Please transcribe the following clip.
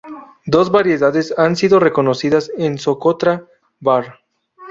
Dos variedades han sido reconocidas en Socotra; var.